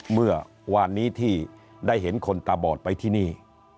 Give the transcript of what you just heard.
เมื่อวานนี้ที่ได้เห็นคนตาบอดไปที่นี่